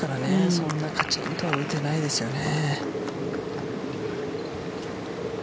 そんなカチンとは打てないですよね。